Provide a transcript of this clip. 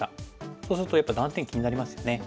そうするとやっぱり断点気になりますよね。